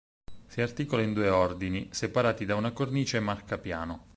Si articola in due ordini, separati da una cornice marcapiano.